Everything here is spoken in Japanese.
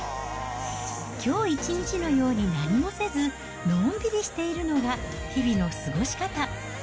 きょう一日のように何もせず、のんびりしているのが日々の過ごし方。